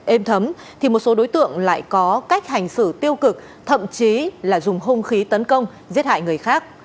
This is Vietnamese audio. êm thấm thì một số đối tượng lại có cách hành xử tiêu cực thậm chí là dùng hung khí tấn công giết hại người khác